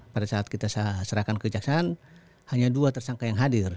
pada saat kita serahkan ke jaksaan hanya dua tersangka yang hadir